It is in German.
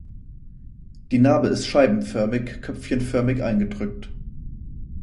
Die Narbe ist scheibenförmig-köpfchenförmig eingedrückt.